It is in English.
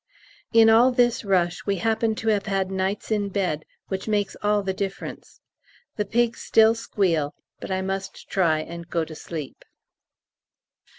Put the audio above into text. In all this rush we happen to have had nights in bed, which makes all the difference. The pigs still squeal, but I must try and go to sleep.